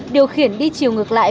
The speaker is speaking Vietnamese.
điều khiển đi chiều ngược lại